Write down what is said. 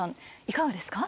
いかがですか？